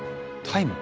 タイム？